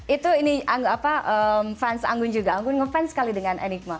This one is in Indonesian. itu fans anggun juga anggun fans sekali dengan enigma